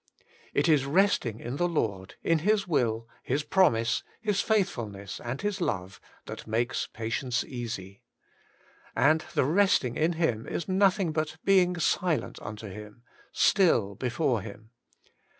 * It is resting in the Lord, in His will, His promise, His faithfulness, and His love, that makes patience easy. And the resting in Him is nothing but being silent unto Him, still before Him.